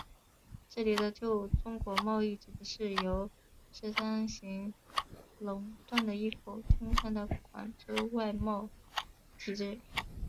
这里的旧中国贸易指的是由十三行垄断的一口通商的广州外贸体制。